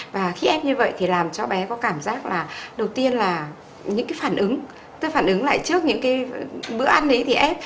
và khi ép như vậy thì làm cho bé có cảm giác là đầu tiên là những phản ứng tức phản ứng lại trước những bữa ăn ấy thì ép